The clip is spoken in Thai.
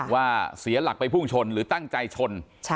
ว่าเสียหลักไปพุ่งชนหรือตั้งใจชน